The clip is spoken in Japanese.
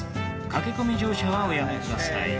駆け込み乗車はおやめください。